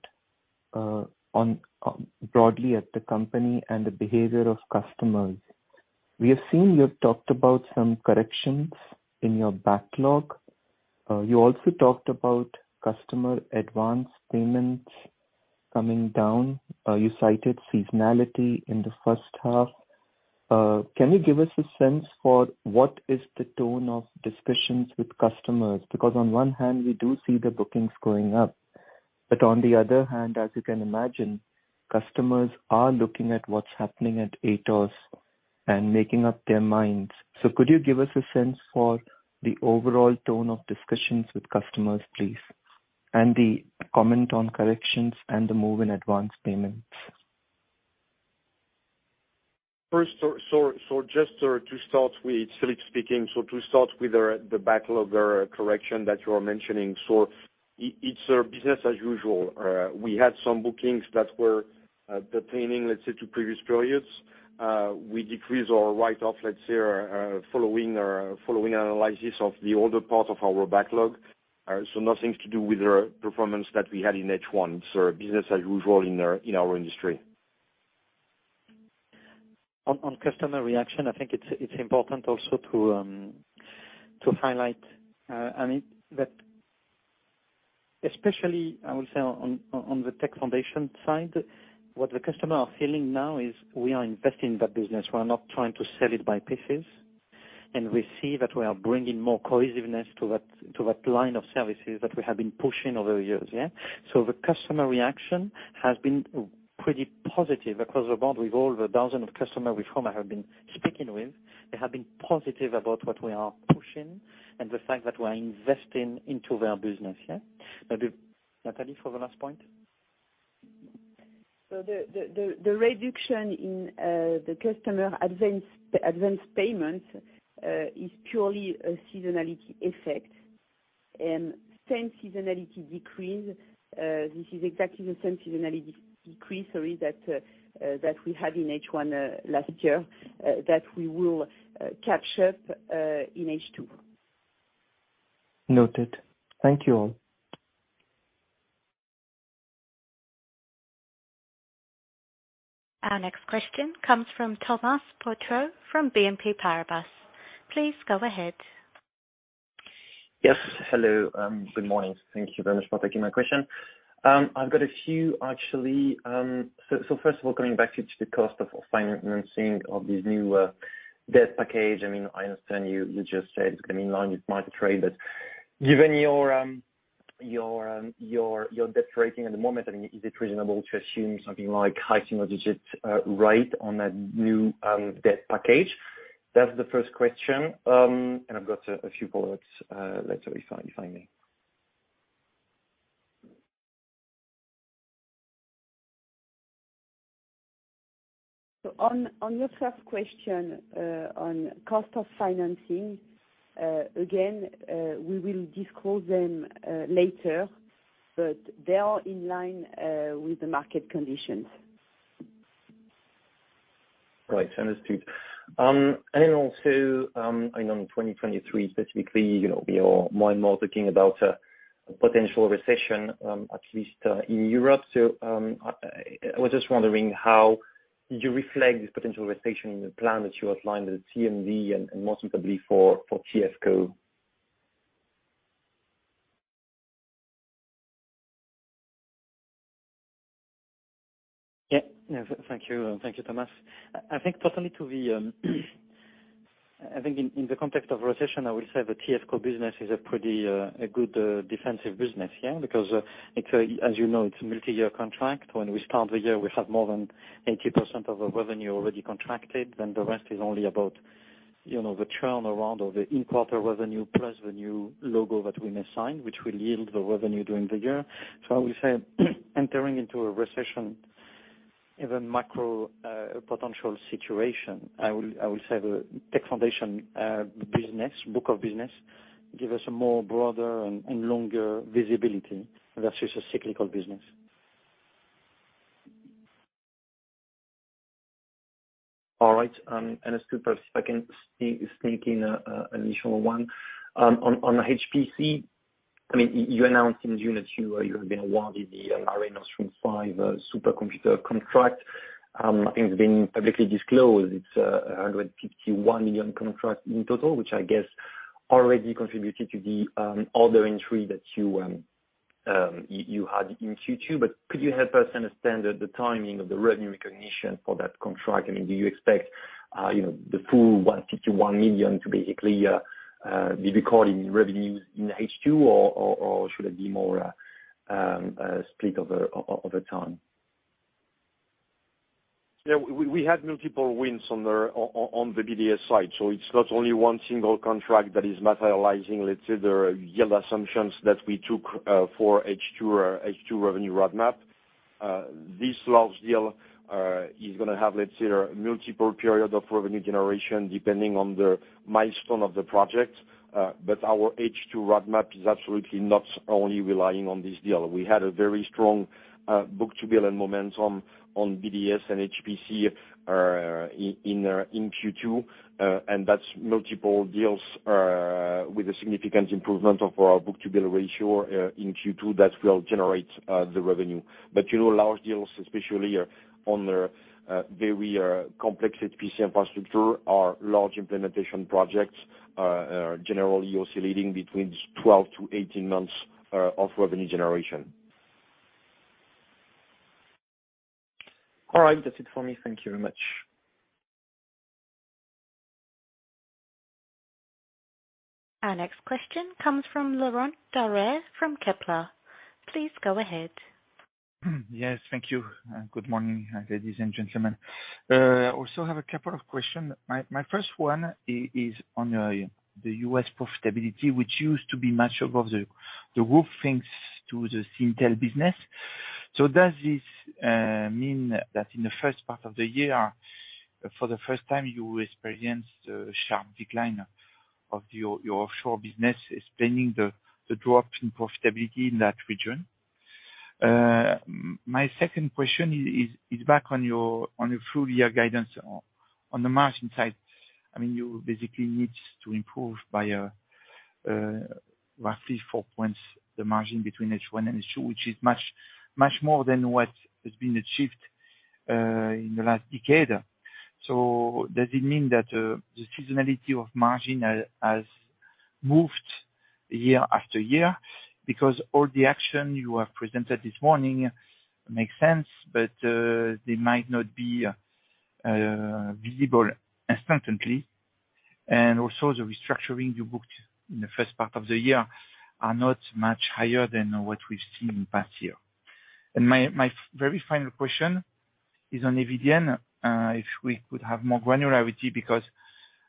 on broadly at the company and the behavior of customers, we have seen you have talked about some corrections in your backlog. You also talked about customer advance payments coming down. You cited seasonality in the first half. Can you give us a sense for what is the tone of discussions with customers? Because on one hand, we do see the bookings going up, but on the other hand, as you can imagine, customers are looking at what's happening at Atos and making up their minds. Could you give us a sense for the overall tone of discussions with customers, please? And the comment on corrections and the move in advance payments. First, just to start with, Philippe speaking, to start with, the backlog correction that you are mentioning. It's business as usual. We had some bookings that were pertaining, let's say, to previous periods. We decrease our write-off, let's say, following analysis of the older part of our backlog. Nothing to do with our performance that we had in H1. Business as usual in our industry. On customer reaction, I think it's important also to highlight, I mean, that especially, I would say on the Tech Foundations side, what the customers are feeling now is we are investing in that business. We are not trying to sell it by pieces. We see that we are bringing more cohesiveness to that line of services that we have been pushing over the years, yeah. The customer reaction has been pretty positive across the board with all the thousands of customers we formally have been speaking with. They have been positive about what we are pushing and the fact that we are investing in their business, yeah. Maybe Nathalie for the last point. The reduction in the customer advance payment is purely a seasonality effect. Same seasonality decrease. This is exactly the same seasonality decrease that we had in H1 last year that we will capture in H2. Noted. Thank you all. Our next question comes from Thomas Courtois from BNP Paribas. Please go ahead. Yes. Hello. Good morning. Thank you very much for taking my question. I've got a few actually. So first of all, coming back to the cost of financing of this new debt package, I mean, I understand you just said it's gonna be in line with market rate. But given your debt rating at the moment, I mean, is it reasonable to assume something like high single digit rate on that new debt package? That's the first question. And I've got a few follow-ups later if I may. On your first question on cost of financing, again, we will disclose them later, but they are in line with the market conditions. Right. Understood. Also, I know in 2023 specifically, you know, we are more and more talking about potential recession, at least in Europe. I was just wondering how you reflect this potential recession in the plan that you outlined at the CMD and more specifically for TFCO. Yeah. No, thank you. Thank you, Thomas. I think in the context of recession, I will say the TFCO business is a pretty good defensive business, yeah? Because, as you know, it's a multi-year contract. When we start the year, we have more than 80% of the revenue already contracted, then the rest is only about, you know, the turnaround or the in-quarter revenue plus the new logo that we may sign, which will yield the revenue during the year. I would say entering into a recession, even macro potential situation, I will say the Tech Foundations business, book of business give us a more broader and longer visibility versus a cyclical business. All right. Just to perhaps, if I can sneak in an initial one. On HPC, I mean, you announced in June that you have been awarded the MareNostrum 5 supercomputer contract. Nothing's been publicly disclosed. It's a 151 million contract in total, which I guess already contributed to the order entry that you had in Q2. Could you help us understand the timing of the revenue recognition for that contract? I mean, do you expect you know, the full 151 million to basically be recorded in revenues in H2 or should it be more spread over time? Yeah. We have multiple wins on the BDS side. It's not only one single contract that is materializing, let's say, the yield assumptions that we took for H2 revenue roadmap. This large deal is gonna have, let's say, multiple period of revenue generation, depending on the milestone of the project. Our H2 roadmap is absolutely not only relying on this deal. We had a very strong book-to-bill and momentum on BDS and HPC in Q2. That's multiple deals with a significant improvement of our book-to-bill ratio in Q2 that will generate the revenue. You know, large deals, especially on the very complex HPC infrastructure or large implementation projects generally also leading between 12-18 months of revenue generation. All right. That's it for me. Thank you very much. Our next question comes from Laurent Daure from Kepler. Please go ahead. Yes, thank you. Good morning, ladies and gentlemen. Also have a couple of questions. My first one is on the U.S. profitability, which used to be much above the roof, thanks to the Syntel business. Does this mean that in the first part of the year, for the first time, you experienced a sharp decline of your offshore business, explaining the drop in profitability in that region? My second question is back on your full year guidance on the margin side. I mean, you basically need to improve by roughly four points the margin between H1 and H2, which is much more than what has been achieved in the last decade. Does it mean that the seasonality of margin has moved year after year? Because all the action you have presented this morning makes sense, but they might not be visible instantly. Also, the restructuring you booked in the first part of the year are not much higher than what we've seen in past year. My very final question is on Eviden. If we could have more granularity because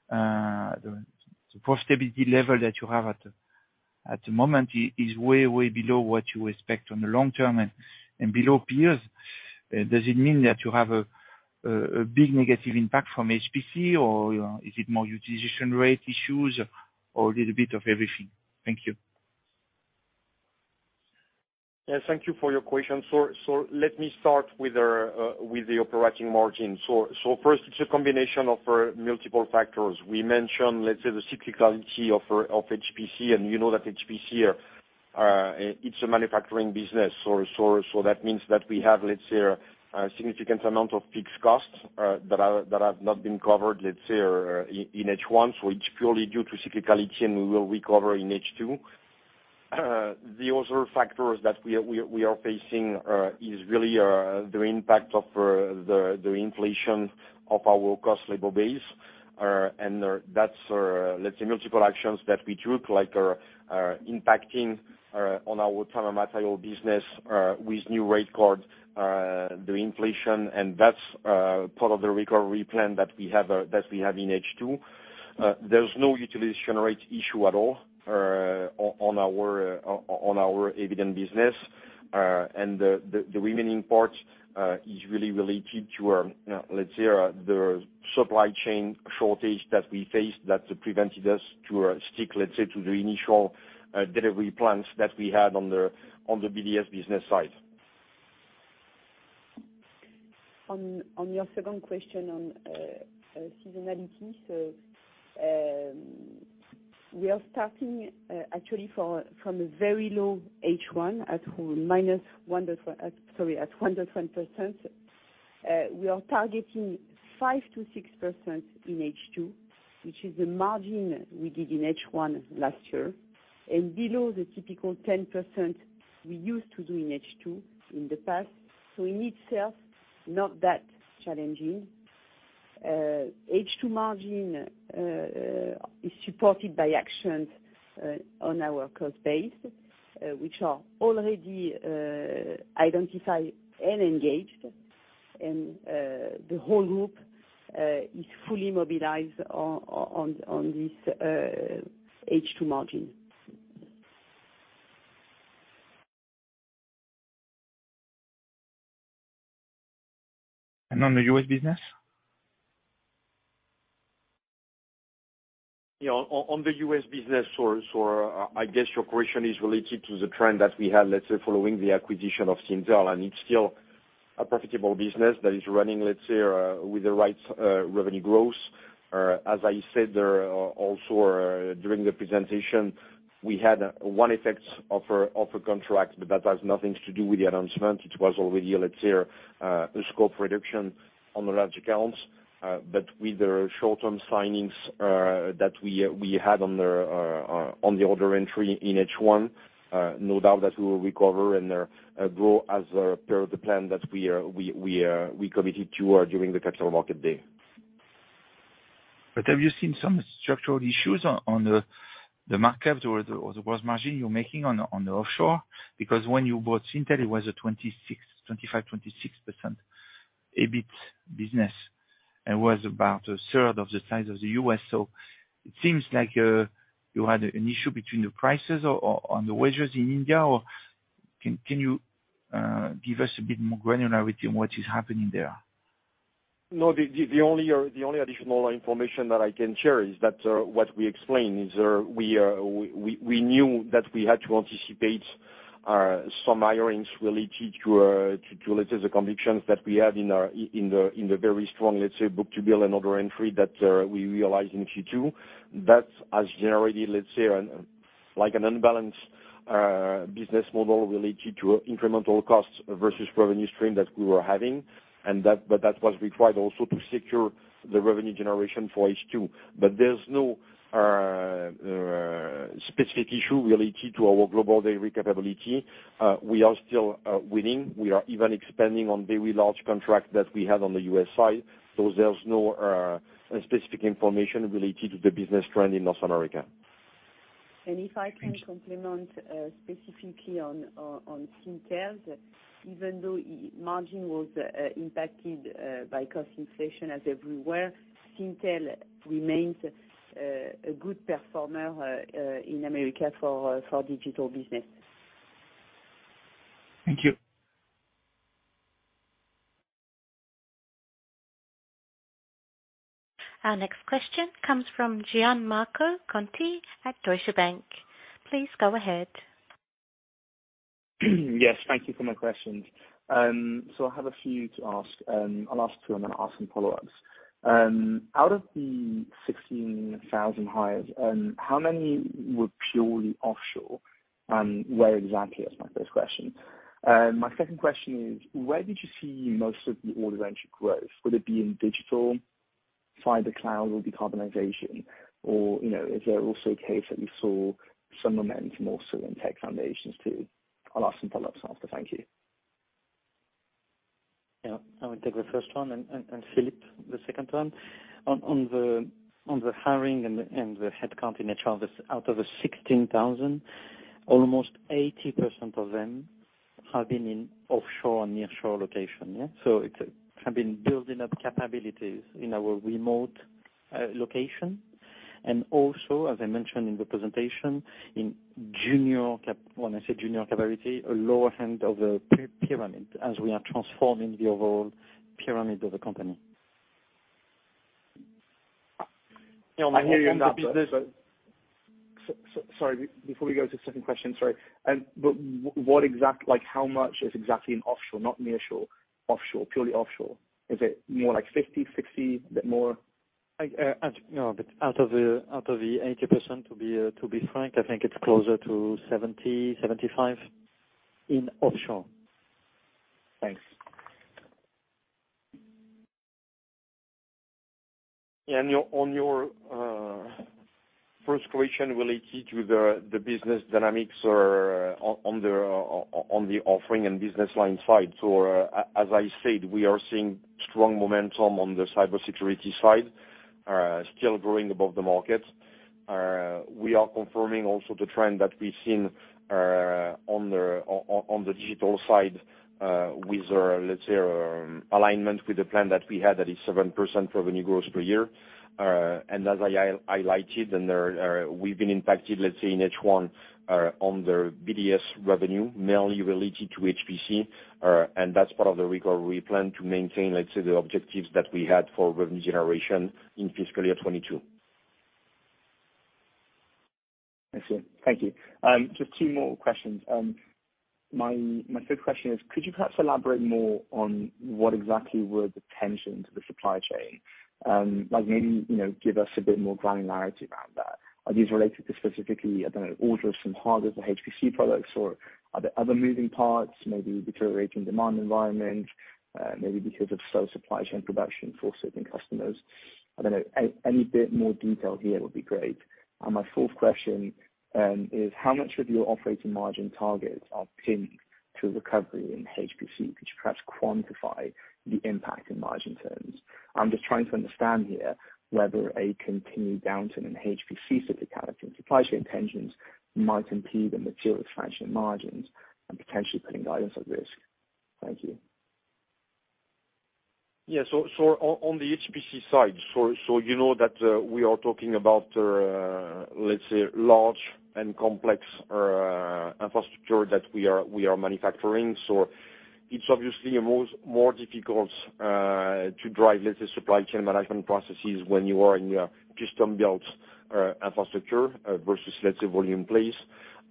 the profitability level that you have at the moment is way below what you expect on the long term and below peers. Does it mean that you have a big negative impact from HPC or is it more utilization rate issues or a little bit of everything? Thank you. Yes, thank you for your question. Let me start with the operating margin. First, it's a combination of multiple factors. We mentioned, let's say, the cyclicality of HPC, and you know that HPC, it's a manufacturing business. That means that we have, let's say, a significant amount of fixed costs that have not been covered, let's say, in H1. It's purely due to cyclicality, and we will recover in H2. The other factors that we are facing is really the impact of the inflation of our cost of labor base. And that's, let's say, multiple actions that we took, like, impacting on our time and material business, with new rate cards, the inflation. That's part of the recovery plan that we have in H2. There's no utilization rate issue at all on our Eviden business. The remaining part is really related to, let's say, the supply chain shortage that we faced that prevented us to stick, let's say, to the initial delivery plans that we had on the BDS business side. On your second question on seasonality, we are starting actually from a very low H1 at 1.1%. We are targeting 5%-6% in H2, which is the margin we did in H1 last year and below the typical 10% we used to do in H2 in the past. In itself, not that challenging. H2 margin is supported by actions on our cost base, which are already identified and engaged. The whole group is fully mobilized on this H2 margin. On the U.S. business? Yeah, on the U.S. business. I guess your question is related to the trend that we had, let's say, following the acquisition of Syntel. It's still a profitable business that is running, let's say, with the right revenue growth. As I said, also, during the presentation, we had one effect of a contract, but that has nothing to do with the announcement. It was already, let's say, a scope reduction on the large accounts. But with the short-term signings that we had on the order entry in H1, no doubt that we will recover and grow as per the plan that we committed to during the Capital Markets Day. Have you seen some structural issues on the market or the gross margin you're making on the offshore? Because when you bought Syntel, it was a 25.6% EBIT business and was about a third of the size of the U.S. It seems like you had an issue between the prices on the wages in India, or can you give us a bit more granularity on what is happening there? No, the only additional information that I can share is that, what we explained is, we knew that we had to anticipate some hirings related to let's say the convictions that we had in our very strong, let's say, book-to-bill and order entry that we realized in Q2. That has generated, let's say, like an unbalanced business model related to incremental costs versus revenue stream that we were having. But that was required also to secure the revenue generation for H2. But there's no specific issue related to our global delivery capability. We are still winning. We are even expanding on very large contract that we have on the U.S. side. There's no specific information related to the business trend in North America. If I can comment specifically on Syntel, even though margin was impacted by cost inflation as everywhere, Syntel remains a good performer in America for digital business. Thank you. Our next question comes from Gianmarco Conti at Deutsche Bank. Please go ahead. Yes, thank you for my questions. So I have a few to ask, and I'll ask two, and then I'll ask some follow-ups. Out of the 16,000 hires, how many were purely offshore, and where exactly? That's my first question. My second question is, where did you see most of the order entry growth? Would it be in digital, hybrid cloud, or decarbonization? Or, you know, is there also a case that you saw some momentum also in Tech Foundations, too? I'll ask some follow-ups after. Thank you. Yeah, I will take the first one and Philippe the second one. On the hiring and the head count in HR, this out of the 16,000, almost 80% of them have been in offshore and nearshore location. Yeah. So it's have been building up capabilities in our remote location. Also, as I mentioned in the presentation, when I say junior capability, a lower end of the pyramid as we are transforming the overall pyramid of the company. I hear you on that. On the business- Sorry, before we go to the second question. Sorry. What exactly—like, how much is exactly in offshore? Not nearshore, offshore, purely offshore. Is it more like 50%, 60%, a bit more? Like, at, you know, out of the 80%, to be frank, I think it's closer to 70%-75% in offshore. Thanks. On your first question related to the business dynamics or on the offering and business line side. As I said, we are seeing strong momentum on the cybersecurity side, still growing above the market. We are confirming also the trend that we've seen on the digital side with let's say alignment with the plan that we had, that is 7% revenue growth per year. As I highlighted and there, we've been impacted, let's say, in H1 on the BDS revenue mainly related to HPC, and that's part of the recovery plan to maintain, let's say, the objectives that we had for revenue generation in fiscal year 2022. I see. Thank you. Just two more questions. My third question is, could you perhaps elaborate more on what exactly were the tensions with supply chain? Like maybe, you know, give us a bit more granularity about that. Are these related to specifically, I don't know, orders from hardware for HPC products or are there other moving parts, maybe deteriorating demand environment, maybe because of slow supply chain production for certain customers? I don't know. Any bit more detail here would be great. My fourth question is how much of your operating margin targets are pinned to recovery in HPC? Could you perhaps quantify the impact in margin terms? I'm just trying to understand here whether a continued downturn in HPC-specific allocation, supply chain tensions might impede the material expansion margins and potentially putting guidance at risk. Thank you. Yeah. On the HPC side, you know that we are talking about let's say large and complex infrastructure that we are manufacturing. It's obviously more difficult to drive let's say supply chain management processes when you are in a custom-built infrastructure versus let's say volume plays.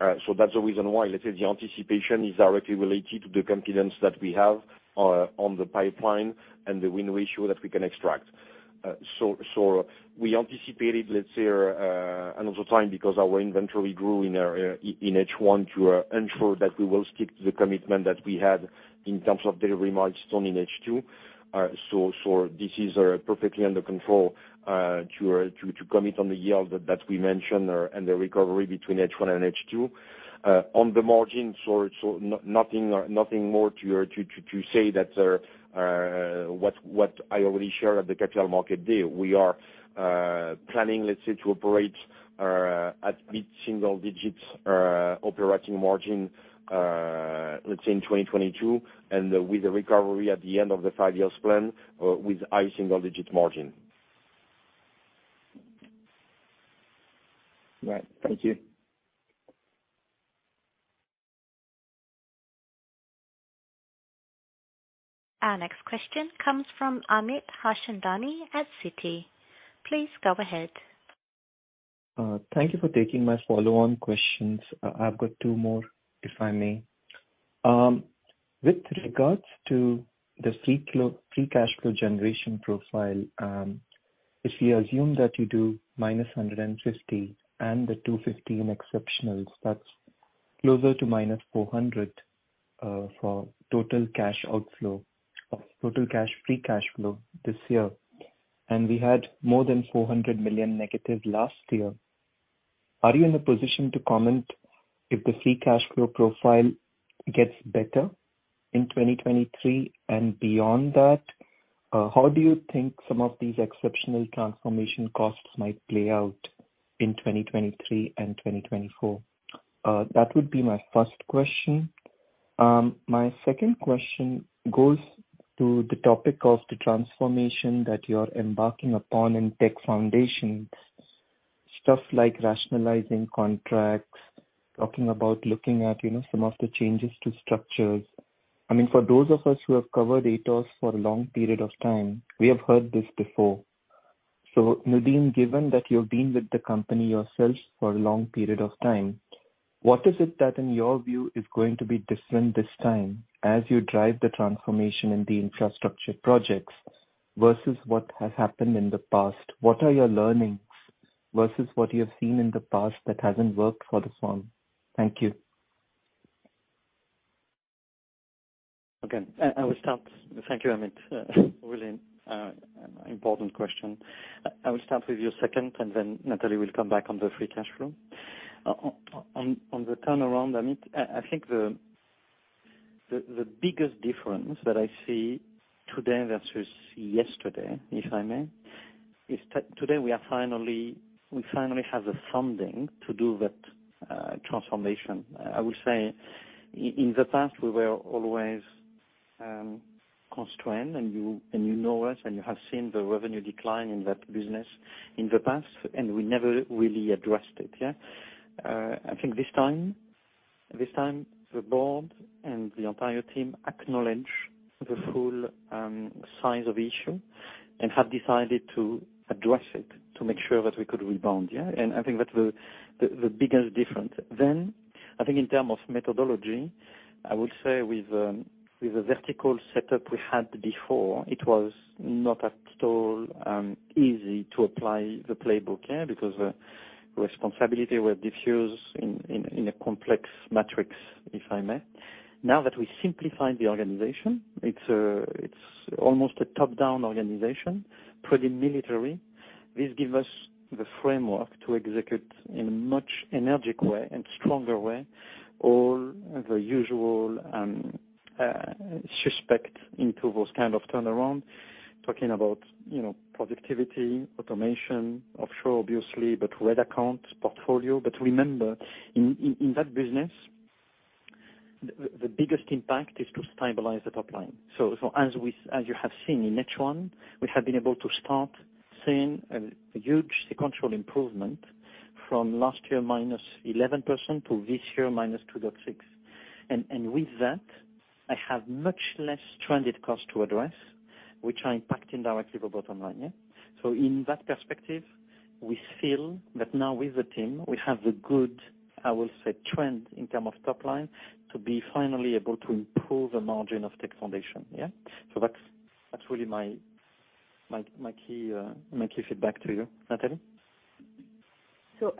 That's the reason why let's say the anticipation is directly related to the confidence that we have on the pipeline and the win ratio that we can extract. We anticipated let's say another time because our inventory grew in H1 to ensure that we will stick to the commitment that we had in terms of delivery milestone in H2. This is perfectly under control to commit on the yield that we mentioned and the recovery between H1 and H2. On the margin, nothing more to say than what I already shared at the Capital Markets Day. We are planning, let's say, to operate at mid-single-digit operating margin, let's say in 2022 and with a recovery at the end of the five years plan with high single-digit margin. Right. Thank you. Our next question comes from Amit Harchandani at Citi. Please go ahead. Thank you for taking my follow-on questions. I've got two more, if I may. With regards to the free cash flow generation profile, if we assume that you do -150 million and the 215 million exceptionals, that's closer to -400 million for total cash outflow of total cash free cash flow this year. We had more than 400 million negative last year. Are you in a position to comment if the free cash flow profile gets better in 2023 and beyond that, how do you think some of these exceptional transformation costs might play out in 2023 and 2024? That would be my first question. My second question goes to the topic of the transformation that you're embarking upon in Tech Foundations, stuff like rationalizing contracts, talking about looking at, you know, some of the changes to structures. I mean, for those of us who have covered Atos for a long period of time, we have heard this before. Nourdine, given that you've been with the company yourself for a long period of time, what is it that in your view is going to be different this time as you drive the transformation in the infrastructure projects versus what has happened in the past? What are your learnings versus what you have seen in the past that hasn't worked for this one? Thank you. Again, I will start. Thank you, Amit. Really, an important question. I will start with your second, and then Nathalie will come back on the free cash flow. On the turnaround, Amit, I think the biggest difference that I see today versus yesterday, if I may, is today we finally have the funding to do that transformation. I would say in the past, we were always constrained, and you know us, and you have seen the revenue decline in that business in the past, and we never really addressed it, yeah? I think this time the board and the entire team acknowledge the full size of issue and have decided to address it to make sure that we could rebound, yeah? I think that's the biggest difference. I think in terms of methodology, I would say with the vertical setup we had before, it was not at all easy to apply the playbook, yeah? Because responsibilities were diffuse in a complex matrix, if I may. Now that we simplify the organization, it's almost a top-down organization, pretty military. This gives us the framework to execute in a much energetic way and stronger way all the usual suspects in those kinds of turnaround. Talking about, you know, productivity, automation, offshore obviously, but red account portfolio. Remember, in that business, the biggest impact is to stabilize the top line. As you have seen in H1, we have been able to start seeing a huge sequential improvement from last year -11% to this year -2.6%. With that, I have much less stranded cost to address, which impacts indirectly the bottom line, yeah? In that perspective, we feel that now with the team we have the good, I will say, trend in terms of top line to be finally able to improve the margin of Tech Foundations, yeah? That's really my key feedback to you. Nathalie?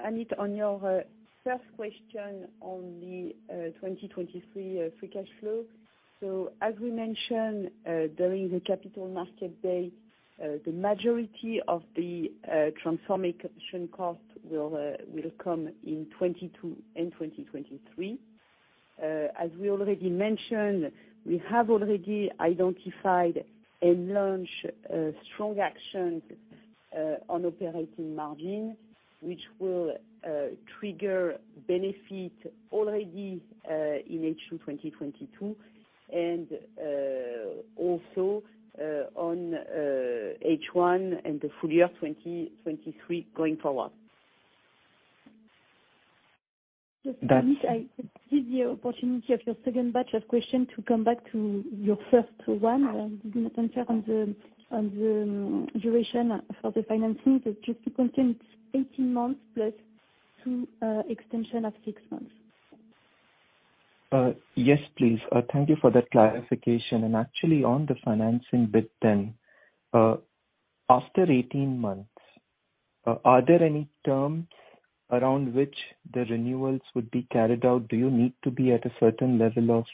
Amit Harchandani, on your first question on the 2023 free cash flow. As we mentioned during the Capital Markets Day, the majority of the transformation cost will come in 2022 and 2023. As we already mentioned, we have already identified and launched strong actions on operating margin, which will trigger benefit already in H2 2022 and also on H1 and the full year 2023 going forward. That's- Just, Amit Harchandani, I could seize the opportunity of your second batch of question to come back to your first one. You didn't answer on the duration for the financing. The RCF is 18 months plus two extensions of six months. Yes, please. Thank you for that clarification. Actually on the financing bit then, after 18 months, are there any terms around which the renewals would be carried out? Do you need to be at a certain level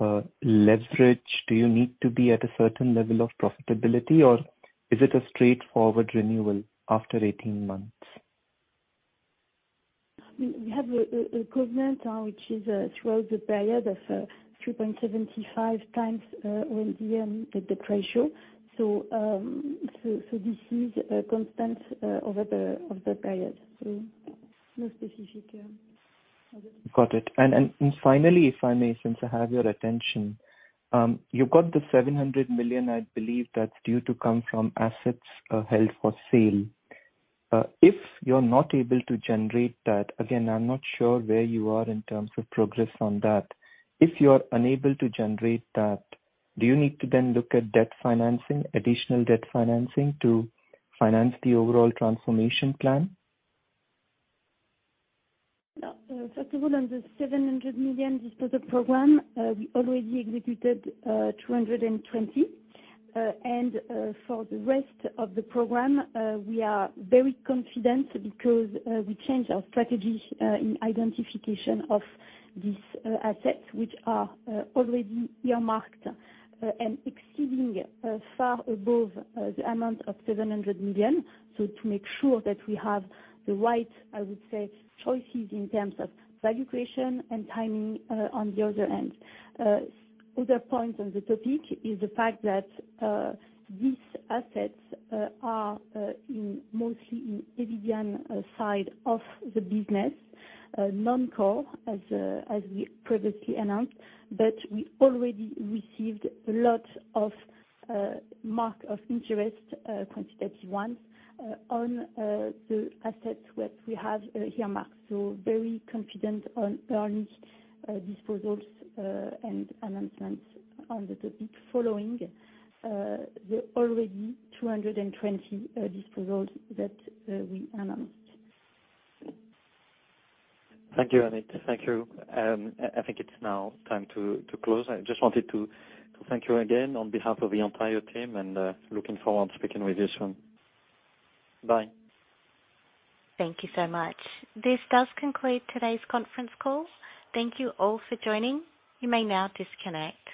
of leverage? Do you need to be at a certain level of profitability, or is it a straightforward renewal after 18 months? We have a covenant which is throughout the period of 3.75x OMDA the ratio. This is constant over the period. No specific, yeah. Got it. Finally, if I may, since I have your attention, you've got the 700 million, I believe that's due to come from assets held for sale. If you're not able to generate that. Again, I'm not sure where you are in terms of progress on that. If you're unable to generate that, do you need to then look at debt financing, additional debt financing to finance the overall transformation plan? No. First of all, on the 700 million disposal program, we already executed 220 million. For the rest of the program, we are very confident because we changed our strategy in identification of these assets which are already earmarked and exceeding far above the amount of 700 million. To make sure that we have the right, I would say, choices in terms of value creation and timing, on the other end. Other point on the topic is the fact that these assets are mostly in Eviden side of the business, non-core as we previously announced. We already received a lot of marks of interest, quantitative ones, on the assets that we have earmarked. Very confident on earnings, disposals, and announcements on the topic following the already 220 disposals that we announced. Thank you, Amit. Thank you. I think it's now time to close. I just wanted to thank you again on behalf of the entire team and looking forward to speaking with you soon. Bye. Thank you so much. This does conclude today's conference call. Thank you all for joining. You may now disconnect.